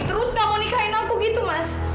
terus tidak mau menikahi aku begitu mas